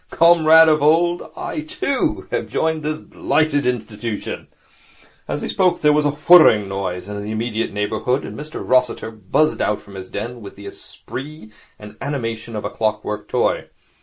Comrade of old, I, too, have joined this blighted institution.' As he spoke, there was a whirring noise in the immediate neighbourhood, and Mr Rossiter buzzed out from his den with the esprit and animation of a clock work toy.